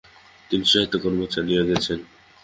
তিনি সাহিত্যকর্ম চালিয়ে গেছেন।